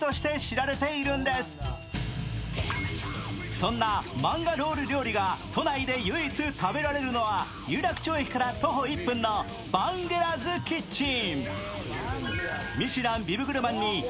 そんなマンガロール料理が都内で唯一食べられるのは有楽町駅から徒歩１分のバンゲラズキッチン。